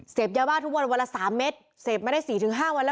เสพเยาวะทุกวันวันละสามเม็ดเสพไม่ได้สี่ถึงห้าวันแล้ว